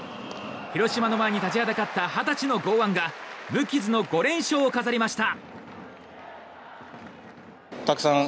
広島の前に立ちはだかった二十歳の剛腕が無傷の５連勝を飾りました。